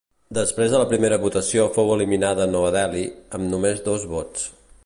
Després de la primera votació fou eliminada Nova Delhi, amb només dos vots.